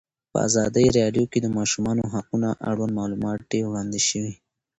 په ازادي راډیو کې د د ماشومانو حقونه اړوند معلومات ډېر وړاندې شوي.